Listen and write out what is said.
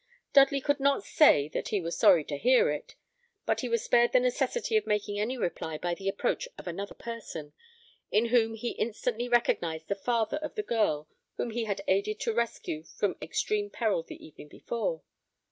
Dudley could not say that he was sorry to hear it; but he was spared the necessity of making any reply by the approach of another person, in whom he instantly recognised the father of the girl whom he had aided to rescue from extreme peril the evening before.